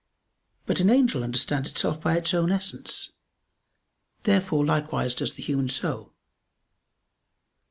But an angel understands itself by its own essence. Therefore likewise does the human soul.